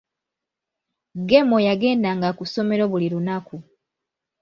Gemo yagendanga ku ssomero buli lunaku.